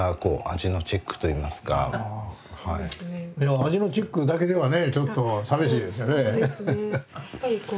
味のチェックだけではねちょっと寂しいですよね。